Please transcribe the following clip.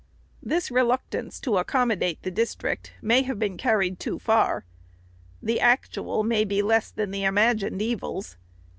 This reluctance to accom modate the district may have been carried too far ; the actual may be less than the imagined evils.